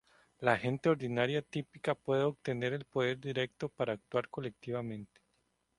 La gente ordinaria típica puede obtener el poder directo para actuar colectivamente.